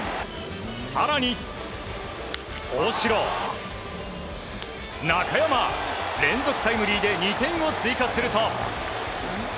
更に大城、中山連続タイムリーで２点を追加すると。